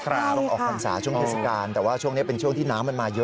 ใช่ค่ะต้องออกทันศาสตร์ช่วงเทศกาลแต่ว่าช่วงนี้เป็นช่วงที่น้ำมันมาเยอะ